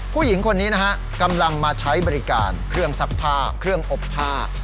ผู้หญิงคนนี้นะฮะกำลังมาใช้บริการเครื่องซักผ้าเครื่องอบผ้า